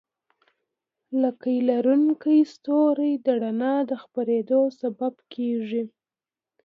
لکۍ لرونکي ستوري د رڼا د خپرېدو سبب کېږي.